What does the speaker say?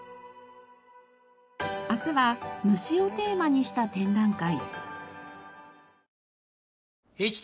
明日は虫をテーマにした展覧会。